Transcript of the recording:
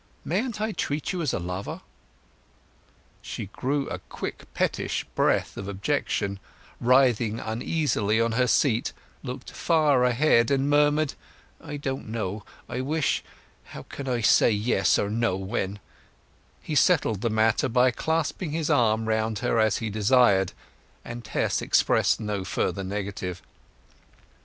Mayn't I treat you as a lover?" She drew a quick pettish breath of objection, writhing uneasily on her seat, looked far ahead, and murmured, "I don't know—I wish—how can I say yes or no when—" He settled the matter by clasping his arm round her as he desired, and Tess expressed no further negative.